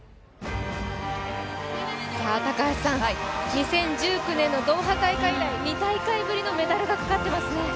２０１９年のドーハ大会以来、２大会ぶりのメダルがかかっていますね。